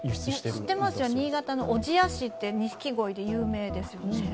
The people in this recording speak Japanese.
知ってますよ、新潟の小千谷市って錦鯉で有名ですよね。